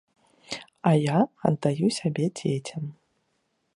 А я аддаю сябе дзецям.